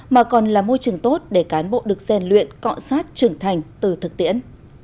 mà còn là môi trường tốt để cán bộ được gian luyện cọn sát trưởng thành từ thực tiễn